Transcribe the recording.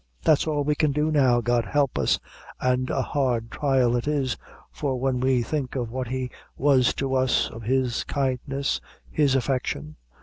That's all we can do now, God help us an' a hard thrial it is for when we think of what he was to us of his kindness his affection!